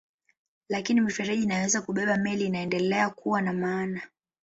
Lakini mifereji inayoweza kubeba meli inaendelea kuwa na maana.